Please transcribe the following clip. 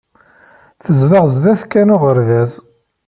Tezdeɣ sdat kan uɣerbaz.